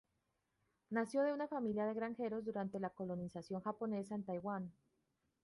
Nació de una familia de granjeros durante la colonización japonesa en Taiwán.